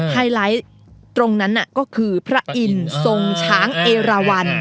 ไฮไลท์ตรงนั้นก็คือพระอินทร์ทรงช้างเอราวัน